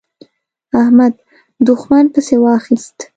احمد؛ دوښمن پسې واخيست.